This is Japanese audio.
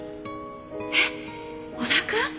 えっ織田くん？